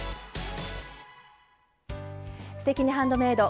「すてきにハンドメイド」